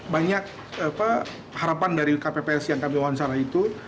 banyak harapan dari kpps yang kami wawancara itu